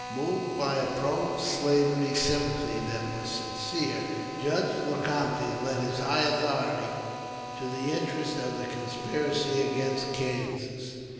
Moved by a pro slavery sympathy that was sincere, Judge Lecompte lent his high authority to the interests of the conspiracy against Kansas.